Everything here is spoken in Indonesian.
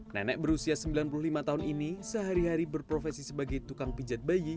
nenek berusia sembilan puluh lima tahun ini sehari hari berprofesi sebagai tukang pijat bayi